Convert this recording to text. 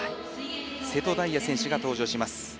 瀬戸大也選手が登場します。